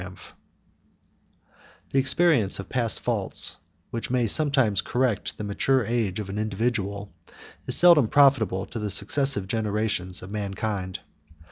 ] The experience of past faults, which may sometimes correct the mature age of an individual, is seldom profitable to the successive generations of mankind.